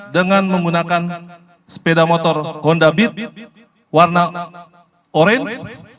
dengan menggunakan sepeda motor honda beat warna orange